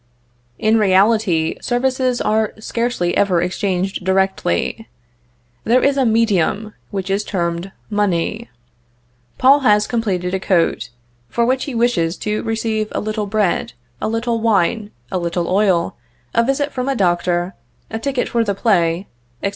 In reality, services are scarcely ever exchanged directly. There is a medium, which is termed money. Paul has completed a coat, for which he wishes to receive a little bread, a little wine, a little oil, a visit from a doctor, a ticket for the play, etc.